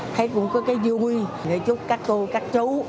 thấy cũng có cái vui để chúc các cô các chú